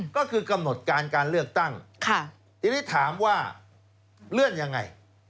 ก็คือกำหนดการการเลือกตั้งทีนี้ถามว่าเลื่อนยังไง